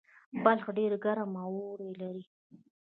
بلخ ډیر ګرم اوړی لري